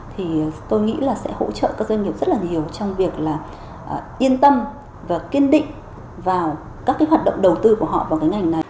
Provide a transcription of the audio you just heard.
thì tôi nghĩ là sẽ hỗ trợ các doanh nghiệp rất là nhiều trong việc là yên tâm và kiên định vào các cái hoạt động đầu tư của họ vào cái ngành này